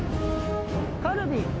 カルビ。